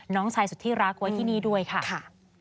น้องชายสุดที่รักไว้ที่นี่ด้วยค่ะ